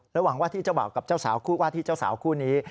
ระหว่างว่าที่เจ้าบ่าวกับเจ้าสาวคู่ว่าที่เจ้าสาวคู่นี้